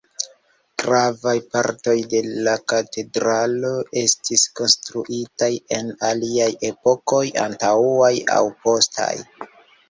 Gravaj partoj de la katedralo estis konstruitaj en aliaj epokoj antaŭaj aŭ postaj.